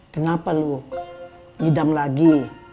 kenapa lu nidam lagi